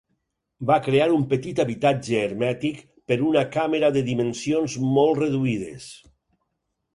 Va crear un petit habitatge hermètic per una càmera de dimensions molt reduïdes.